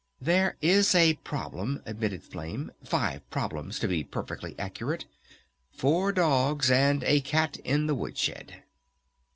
"There is a problem," admitted Flame. "Five problems, to be perfectly accurate. Four dogs, and a cat in the wood shed."